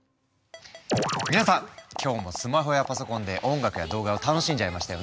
皆さん今日もスマホやパソコンで音楽や動画を楽しんじゃいましたよね。